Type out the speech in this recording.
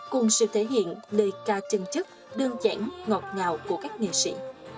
cùng sự thể hiện lời ca chân chất đơn giản ngọt ngào của các nghệ sĩ